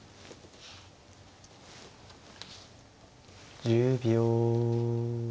１０秒。